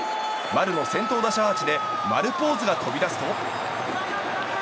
丸の先頭打者アーチでマルポーズが飛び出すと。